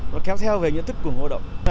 nó kéo theo về nhận thức của người lao động